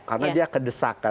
karena dia kedesakan